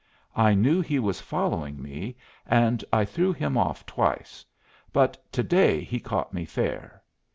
I knew he was following me and I threw him off twice, but to day he caught me fair.